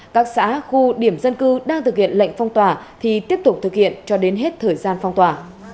các xã khu điểm dân cư đang thực hiện lệnh phong tỏa thì tiếp tục thực hiện cho đến hết thời gian phong tỏa